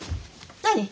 何？